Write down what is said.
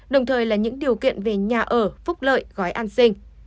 đồng thời là những điều kiện về nhà ở phúc lợi gói an sinh